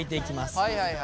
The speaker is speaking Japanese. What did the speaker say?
はいはいはい。